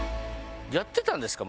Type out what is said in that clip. やってたんですか？